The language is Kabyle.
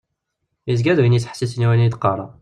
Yezga d win yettḥessisen i wayen d-qqreɣ.